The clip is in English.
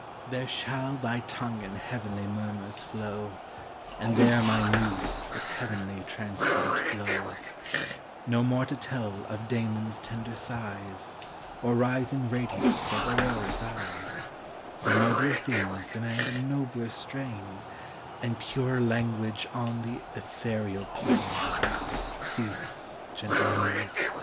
There shall thy tongue in heav'nly murmurs flow, And there my muse with heav'nly transport glow: No more to tell of Damon's tender sighs, Or rising radiance of Aurora's eyes, For nobler themes demand a nobler strain, And purer language on th' ethereal plain. Cease, gentle muse!